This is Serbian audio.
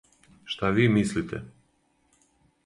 Шта ви мислите?